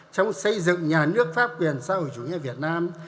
trong xây dựng nhà nước pháp quyền xã hội chủ nghĩa việt nam